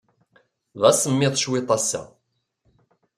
D asemmiḍ cwiṭ ass-a.